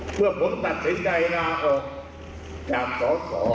เพื่อผมตัดสินใจลาออกจากศาสตร์